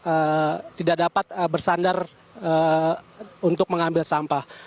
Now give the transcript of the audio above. mereka tidak dapat bersandar untuk mengambil sampah